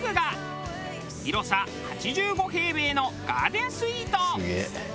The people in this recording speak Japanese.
広さ８５平米のガーデンスイート。